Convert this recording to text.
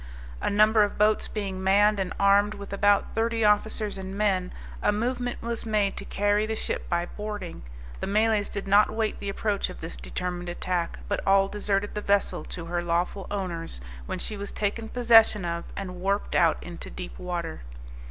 A number of boats being manned and armed with about thirty officers and men, a movement was made to carry the ship by boarding. The Malays did not wait the approach of this determined attack, but all deserted the vessel to her lawful owners, when she was taken possession of and warped out into deep water.